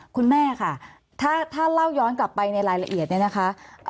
คุณแม่ค่ะถ้าเล่าย้อนกลับไปในรายละเอียดเนี่ยนะคะ